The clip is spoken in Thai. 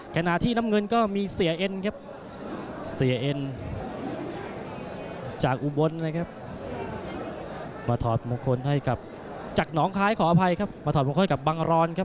ขณะที่น้ำเงินก็มีเสียเอ็นครับเสียเอ็นจากอุบลเลยครับมาถอดมงคลให้กับจากหนองคลายขออภัยครับมาถอดมงคลกับบังรอนครับ